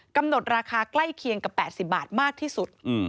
กำหนดราคาใกล้เคียงกับ๘๐บาทมากที่สุด